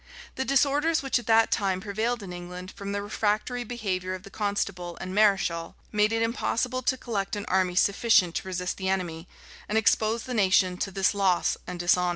[] The disorders which at that time prevailed in England, from the refractory behavior of the constable and mareschal, made it impossible to collect an army sufficient to resist the enemy, and exposed the nation to this loss and dishonor.